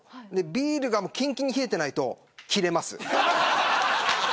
ビールがきんきんに冷えていないときれます。